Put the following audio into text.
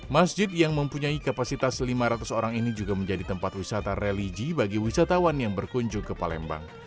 masjid yang mempunyai kapasitas lima ratus orang ini juga menjadi tempat wisata religi bagi wisatawan yang berkunjung ke palembang